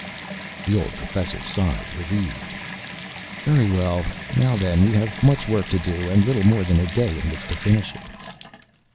The old professor sighed, relieved. "Very well. Now then, we have much work to do, and little more than a day in which to finish it."